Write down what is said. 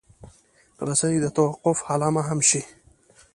رسۍ د توقف علامه هم شي.